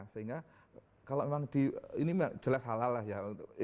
sehingga kalau memang jelas halal ya